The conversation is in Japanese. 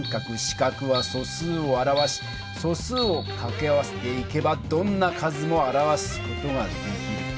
□は素数を表し素数をかけ合わせていけばどんな数も表す事ができる。